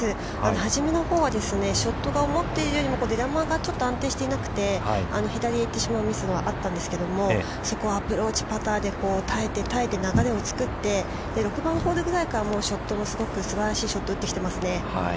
始めのほうはショットが思っているよりも出球がちょっと安定してなくて、左へ行ってしまうミスはあったんですけど、そこをアプローチパターで耐えて、耐えて、流れを作って、６番ホールぐらいからショットはすごくすばらしいショットを打ってきていますね。